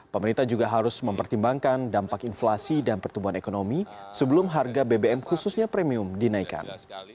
pemerintah juga harus mempertimbangkan dampak inflasi dan pertumbuhan ekonomi sebelum harga bbm khususnya premium dinaikkan